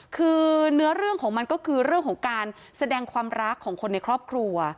คือเนื้อเรื่องของมันก็คือเรื่องของการแสดงความรักของคนในครอบครัว